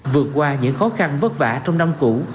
vượt qua những khó khăn vất vả trong năm cũ